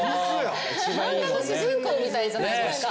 漫画の主人公みたいじゃないですか？